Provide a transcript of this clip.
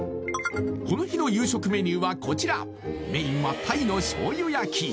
この日の夕食メニューはこちらメインは鯛の醤油焼き